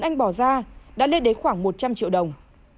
anh t đã đổ xô vào khoảng hai mươi ba mươi triệu đồng